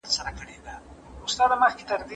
اننګي چې له حيا نه لال او فام كړې